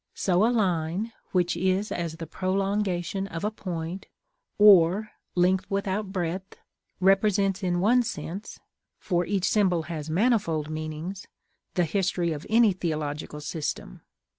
So a line, which is as the prolongation of a point, or length without breadth, represents in one sense (for each symbol has manifold meanings) the history of any theological system.